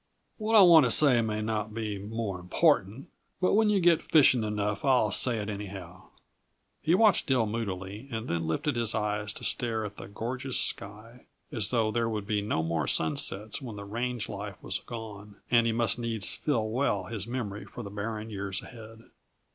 What I want to say may not be more important, but when yuh get fishing enough I'll say it anyhow." He watched Dill moodily, and then lifted his eyes to stare at the gorgeous sky as though there would be no more sunsets when the range life was gone, and he must needs fill well his memory for the barren years ahead.